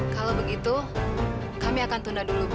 kalau begitu kami akan tunda dulu bu